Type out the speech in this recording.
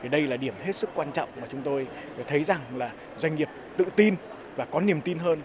đây là điểm hết sức quan trọng mà chúng tôi thấy rằng doanh nghiệp tự tin và có niềm tin hơn